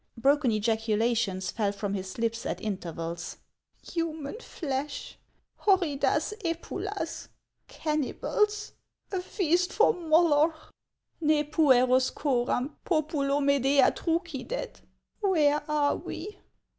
Broken ejaculations fell from his lips at intervals : "Human flesh! Horridas cpulas! Cannibals! A feast for Moloch ! Ne pueros cor am populo Medea truci dct! Where are we?